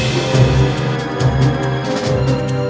siap siap siap